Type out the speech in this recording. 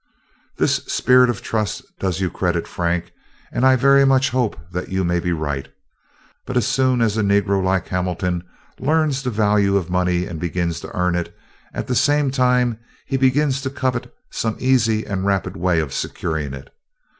"This spirit of trust does you credit, Frank, and I very much hope that you may be right. But as soon as a negro like Hamilton learns the value of money and begins to earn it, at the same time he begins to covet some easy and rapid way of securing it.